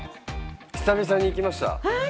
久々に行きました。